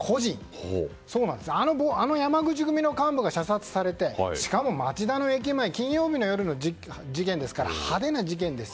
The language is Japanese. あの山口組の幹部が射殺されて、しかも町田の駅前金曜日夜の事件ですから派手な事件です。